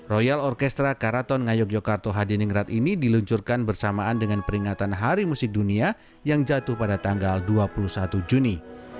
royal orkestra karaton ngayog yogyakarta hadiningrat ini diluncurkan bersamaan dengan peringatan hari musik dunia yang jatuh pada tanggal dua puluh satu juni